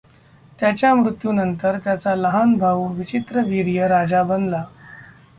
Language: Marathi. त्याच्या मृत्यूनंतर त्याचा लहान भाऊ विचित्रवीर्य राजा बनला.